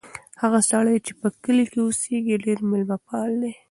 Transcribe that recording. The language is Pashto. هغه سړی چې په کلي کې اوسیږي ډېر مېلمه پال دی.